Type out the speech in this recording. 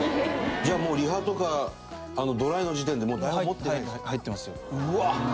じゃあもうリハとかドライの時点でもう台本持ってないんですか？